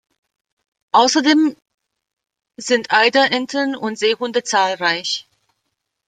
Außerdem sind Eiderenten und Seehunde zahlreich.